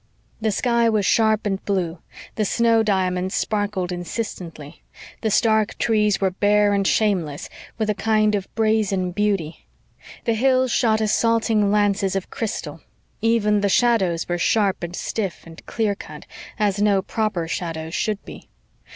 The sky was sharp and blue; the snow diamonds sparkled insistently; the stark trees were bare and shameless, with a kind of brazen beauty; the hills shot assaulting lances of crystal. Even the shadows were sharp and stiff and clear cut, as no proper shadows should be.